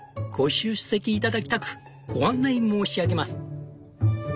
ご出席頂きたくご案内申し上げます」。